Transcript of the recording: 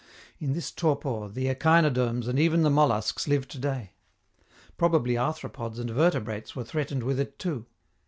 In this torpor the echinoderms and even the molluscs live to day. Probably arthropods and vertebrates were threatened with it too.